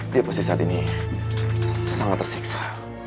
dia posisi saat ini sangat tersiksa